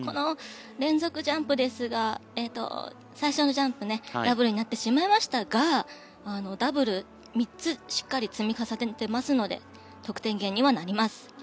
連続ジャンプですが最初のジャンプでダブルになってしまいましたがダブル３つしっかり積み重ねていますので得点源にはなります。